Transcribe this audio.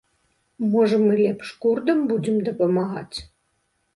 Можа, мы лепш курдам будзем дапамагаць?